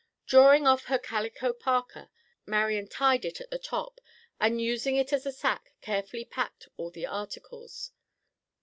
Drawing off her calico parka, Marian tied it at the top, and using it as a sack, carefully packed all the articles.